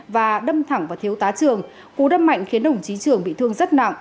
và đâm thẳng vào thiếu tá trường cú đâm mạnh khiến đồng chí trường bị thương rất nặng